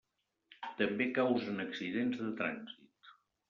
També causen accidents de trànsit.